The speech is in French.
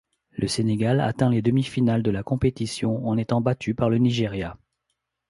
Le Sénégal atteint les demi-finales de la compétition, en étant battu par le Nigeria.